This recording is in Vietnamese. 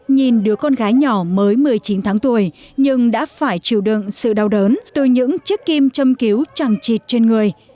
nhìn đứa con gái nhỏ mới một mươi chín tháng tuổi nhưng đã phải chịu đựng sự đau đớn từ những chiếc kim châm cứu chẳng chịt trên người